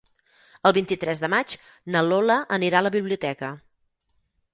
El vint-i-tres de maig na Lola anirà a la biblioteca.